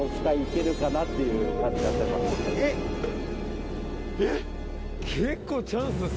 えっ。えっ！